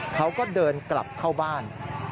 เขาก็เดินกลับเข้าบ้าน